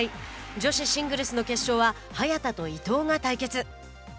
女子シングルスの決勝は早田と伊藤が対決。